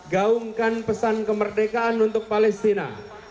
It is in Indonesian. gaungkan pesan kemerdekaan untuk palestina